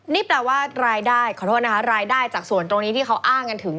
นี่แปลว่ารายได้ขอโทษนะคะรายได้จากส่วนตรงนี้ที่เขาอ้างกันถึง